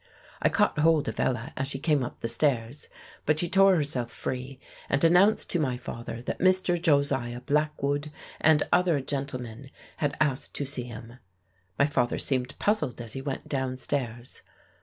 I caught hold of Ella as she came up the stairs, but she tore herself free, and announced to my father that Mr. Josiah Blackwood and other gentlemen had asked to see him. My father seemed puzzled as he went downstairs....